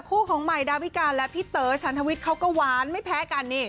คู่ของใหม่ดาวิกาและพี่เต๋อชันทวิทย์เขาก็หวานไม่แพ้กันนี่